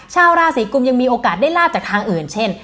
ชาวราศีกุมยังมีโอกาสได้ลาบจากทางอื่นเช่น